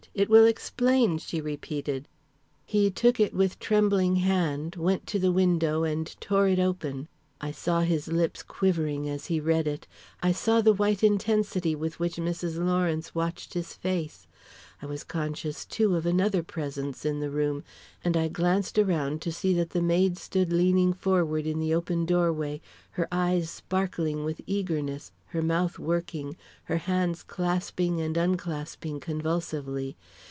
It will explain," she repeated. He took it with trembling hand, went to the window, and tore it open. I saw his lips quivering as he read it; I saw the white intensity with which Mrs. Lawrence watched his face; I was conscious, too, of another presence in the room, and I glanced around to see that the maid stood leaning forward in the open doorway, her eyes sparkling with eagerness, her mouth working, her hands clasping and unclasping convulsively.